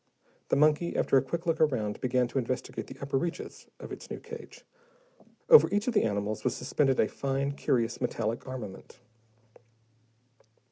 The monkey, after a quick look around, began to investigate the upper reaches of its new cage. Over each of the animals was suspended a fine, curious metallic armament.